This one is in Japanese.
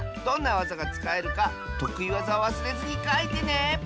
どんなわざがつかえるかとくいわざをわすれずにかいてね！